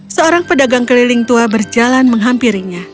seorang pedagang keliling tua berjalan menghampiri dia